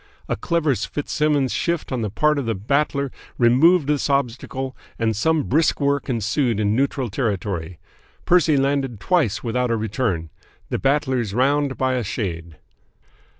A clever Fitzsimmons' shift on the part of the Battler removed this obstacle, and some brisk work ensued in neutral territory. Percy landed twice without a return. The Battler's round by a shade.